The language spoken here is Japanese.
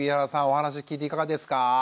お話聞いていかがですか？